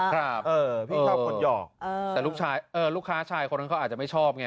ครับเออพี่ชอบคนหยอกแต่ลูกชายลูกค้าชายคนนั้นเขาอาจจะไม่ชอบไง